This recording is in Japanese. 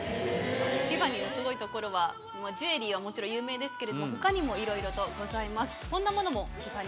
ティファニーのすごいところはジュエリーはもちろん有名ですけれど他にもいろいろとございます。